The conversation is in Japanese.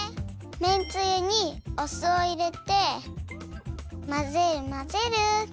めんつゆにお酢をいれてまぜるまぜる。